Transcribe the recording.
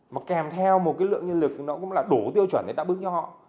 mà kèm theo một cái lượng nhân lực nó cũng là đủ tiêu chuẩn để đáp ứng cho họ